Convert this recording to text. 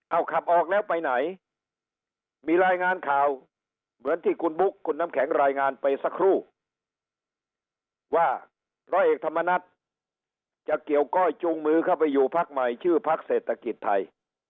เอาขับออกแล้วไปไหนมีรายงานข่าวเหมือนที่คุณบุ๊คคุณน้ำแข็งรายงานไปสักครู่ว่าร้อยเอกธรรมนัฐจะเกี่ยวก้อยจูงมือเข้าไปอยู่พักใหม่ชื่อพักเศรษฐกิจไทย